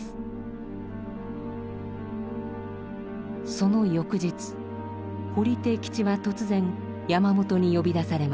その翌日堀悌吉は突然山本に呼び出されます。